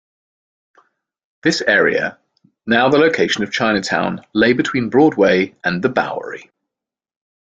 This area, now the location of Chinatown, lay between Broadway and the Bowery.